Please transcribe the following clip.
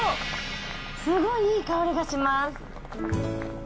すごくいい香りがします。